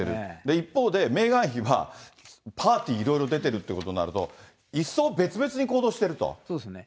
一方でメーガン妃はパーティーいろいろ出てるってことになると、そうですね。